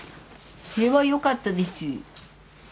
それはよかったです。